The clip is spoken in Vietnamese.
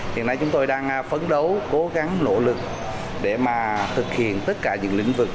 hiện nay chúng tôi đang phấn đấu cố gắng nỗ lực để mà thực hiện tất cả những lĩnh vực